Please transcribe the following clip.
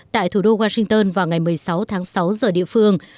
tại thủ đô washington vào ngày một mươi sáu tháng sáu giờ địa phương